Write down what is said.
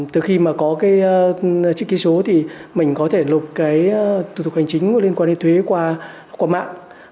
từ khi có trực ký số thì mình có thể lục thủ tục hành chính liên quan đến thuế qua mạng